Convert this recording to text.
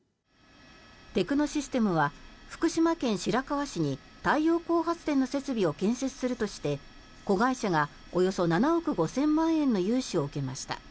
テクノシステムは福島県白河市に太陽光発電の設備を建設するとして子会社がおよそ７億５０００万円の融資を受けました。